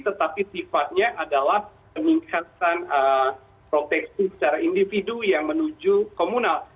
tetapi sifatnya adalah peningkatan proteksi secara individu yang menuju komunal